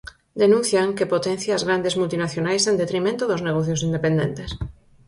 Denuncian que potencia as grandes multinacionais en detrimento dos negocios independentes.